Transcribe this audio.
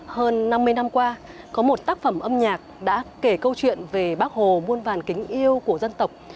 hơn năm mươi năm qua có một tác phẩm âm nhạc đã kể câu chuyện về bác hồ muôn vàn kính yêu của dân tộc